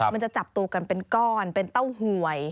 มันจะจับตัวกันเป็นก้อนเป็นเต้าหวย